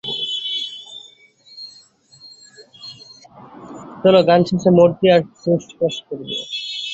চলো, গান শেষে মটজি আর টোস্ট পেশ করবো।